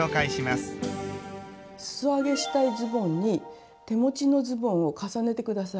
すそ上げしたいズボンに手持ちのズボンを重ねて下さい。